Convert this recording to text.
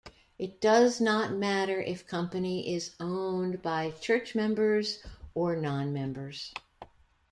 It does not matter if company is owned by church members or non-members.